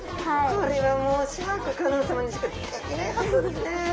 これはもうシャーク香音さまにしかできない発想ですね。